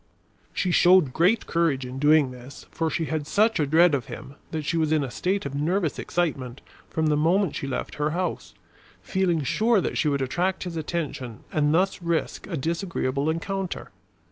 She showed great courage in doing this, for she had such a dread of him that she was in a state of nervous excitement from the moment she left her house, feeling sure that she would attract his attention and thus risk a disagreeable encounter.